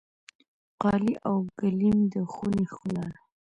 قالي او ګلیم د خونې ښکلا ده.